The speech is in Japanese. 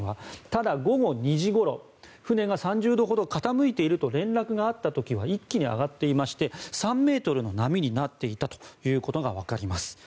ただ、午後２時ごろ船が３０度ほど傾いていると連絡があった時は一気に上がっていまして３ｍの波になっていたということがわかります。